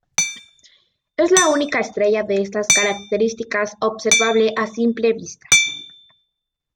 Es la única estrella de estas características observable a simple vista.